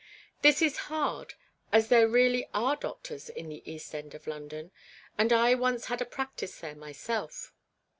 This is hard, as there really are doctors in the East End of London, and I once had a practice there myself.